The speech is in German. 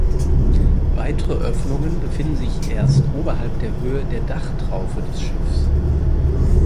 Weitere Öffnungen befinden sich erst oberhalb der Höhe der Dachtraufe des Schiffs.